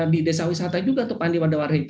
di desa wisata juga tuh